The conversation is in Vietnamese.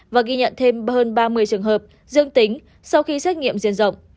và ghi nhận thêm hơn ba mươi trường hợp dương tính sau khi xét nghiệm diện rộng